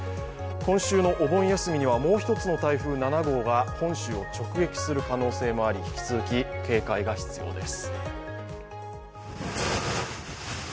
今週のお盆休みにはもう一つの台風７号が本州を直撃する可能性もあり、引き続き警戒が必要です。